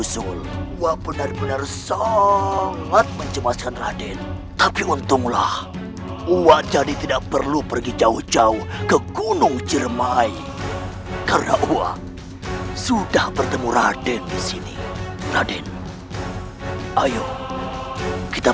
saya tidak mendengarkan reaksi referendum menjaga mati dari telinga sandara dan stroka